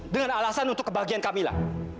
dengan alasan untuk kebahagiaan kamilah